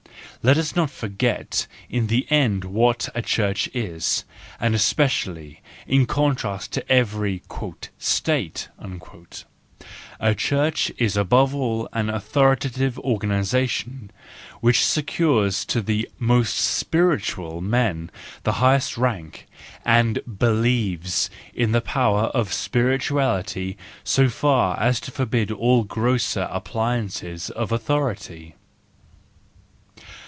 Let us not forget in the end what a Church is, and especially, in contrast to every " State ": a Church is above all an authoritative organisation which secures to the most spiritual men the highest rank, and believes in the power of spirituality so far as to forbid all grosser appliances of authority.